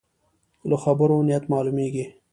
له خبرو نیت معلومېږي.